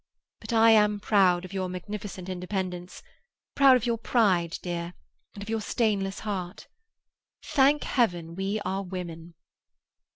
But I am proud of your magnificent independence, proud of your pride, dear, and of your stainless heart. Thank Heaven we are women!"